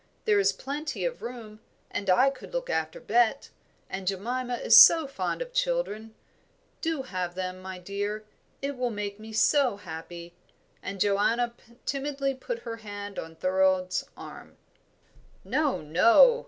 There is plenty of room, and I could look after Bet and Jemima is so fond of children. Do have them, my dear, it will make me so happy;" and Joanna timidly put her hand on Thorold's arm. "No, no!"